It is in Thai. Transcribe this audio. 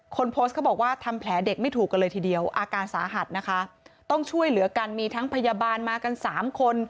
คนโพสต์เขาบอกว่าทำแผลเด็กไม่ถูกกันเลยทีเดียวอาการสาหัสนะคะต้องช่วยเหลือกันมีทั้งพยาบาลมากันสามคน